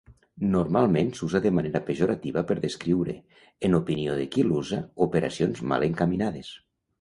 Normalment s'usa de manera pejorativa per descriure, en opinió de qui l'usa, operacions mal encaminades.